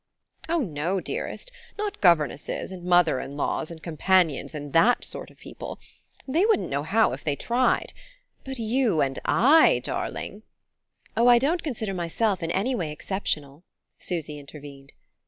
"Oh, no, dearest: not governesses and mothers in law and companions, and that sort of people. They wouldn't know how if they tried. But you and I, darling " "Oh, I don't consider myself in any way exceptional," Susy intervened.